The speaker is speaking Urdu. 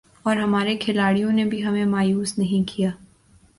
اور ہمارے کھلاڑیوں نے بھی ہمیں مایوس نہیں کیا